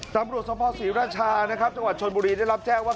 ตำรวจสภศรีราชานะครับจังหวัดชนบุรีได้รับแจ้งว่า